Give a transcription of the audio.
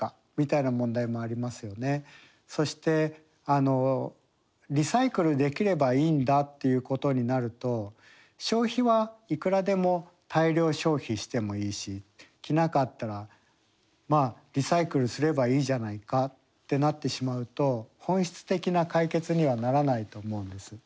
そしてリサイクルできればいいんだっていうことになると消費はいくらでも大量消費してもいいし着なかったらまあリサイクルすればいいじゃないかってなってしまうと本質的な解決にはならないと思うんです。